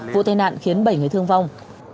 vụ tai nạn khiến bảy người thương vong